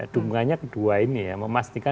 dukungannya kedua ini ya